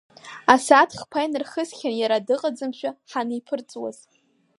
Асааҭ хԥа инархысхьан иара дыҟаӡамкәа ҳанеиԥырҵуаз.